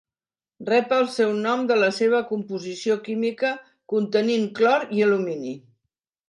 Rep el seu nom de la seva composició química, contenint clor i alumini.